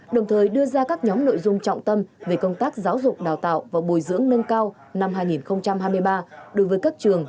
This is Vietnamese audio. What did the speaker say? đồng thời đưa ra các nhóm nội dung trọng tâm về công tác giáo dục đào tạo và bồi dưỡng nâng cao năm hai nghìn hai mươi ba đối với các trường